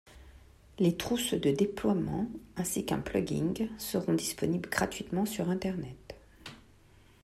Les trousses de déploiement, ainsi qu'un plug-in, sont disponibles gratuitement sur internet.